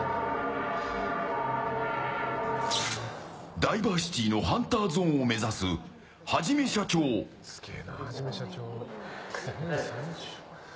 ダイバーシティのハンターゾーンを目指すはじめしゃちょー。